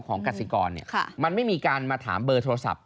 กสิกรมันไม่มีการมาถามเบอร์โทรศัพท์